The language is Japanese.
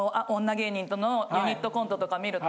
芸人とのユニットコントとか見ると。